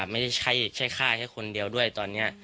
ไม่ใช่แค่ฆ่าแค่คนเดียวด้วยตอนนี้